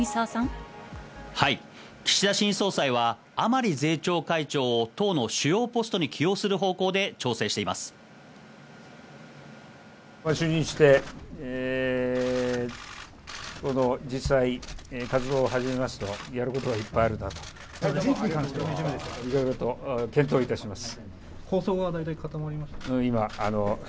岸田新総裁は甘利税調会長を党の主要ポストに起用する方向で調整しています。